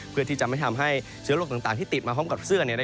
เพื่อที่จะไม่ทำให้เชื้อโรคต่างที่ติดมาพร้อมกับเสื้อ